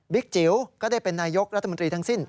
จิ๋วก็ได้เป็นนายกรัฐมนตรีทั้งสิ้น